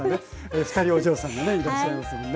２人お嬢さんがねいらっしゃいますもんね。